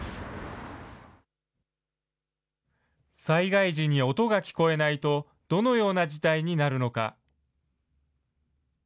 災害時に音が聞こえないと、どのような事態になるのか。